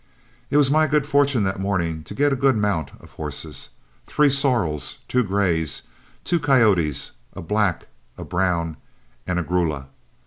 It was my good fortune that morning to get a good mount of horses, three sorrels, two grays, two coyotes, a black, a brown, and a grulla.